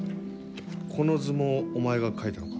この図もお前が描いたのか？